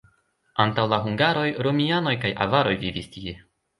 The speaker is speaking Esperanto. Antaŭ la hungaroj, romianoj kaj avaroj vivis tie.